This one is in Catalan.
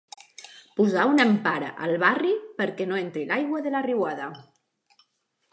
Posar una empara al barri perquè no entri l'aigua de la riuada.